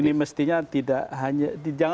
ini mestinya tidak hanya